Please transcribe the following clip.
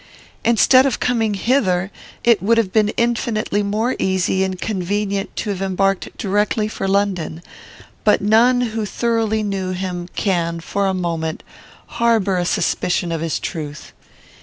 Instead of coming hither, it would have been infinitely more easy and convenient to have embarked directly for London; but none who thoroughly knew him can, for a moment, harbour a suspicion of his truth.